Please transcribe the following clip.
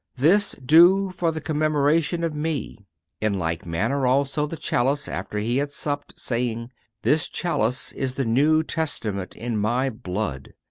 This do for the commemoration of Me. In like manner also the chalice, after He had supped, saying: This chalice is the new testament in My blood.